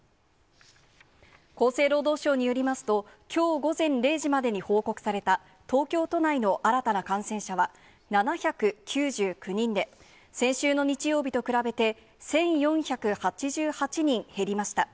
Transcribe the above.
厚生労働省によりますと、きょう午前０時までに報告された東京都内の新たな感染者は７９９人で、先週の日曜日と比べて、１４８８人減りました。